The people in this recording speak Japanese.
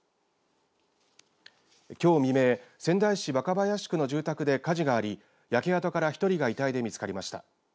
きょう未明、仙台市若林区の住宅で火事があり焼け跡から１人が遺体で見つかりました。